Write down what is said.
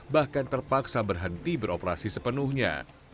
bahkan terpaksa berhenti beroperasi sepenuhnya